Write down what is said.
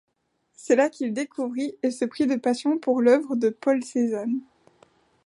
C'est là qu'il découvrit et se prit de passion pour l'œuvre de Paul Cézanne.